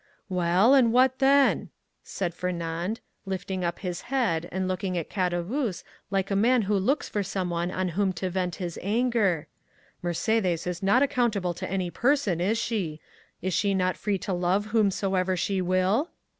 "Well, and what then?" said Fernand, lifting up his head, and looking at Caderousse like a man who looks for someone on whom to vent his anger; "Mercédès is not accountable to any person, is she? Is she not free to love whomsoever she will?"